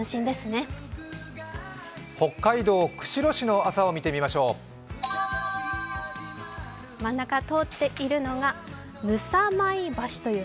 北海道釧路市の朝を見てみましょう。